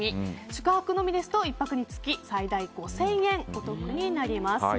宿泊のみですと１泊につき最大５０００円お得になります。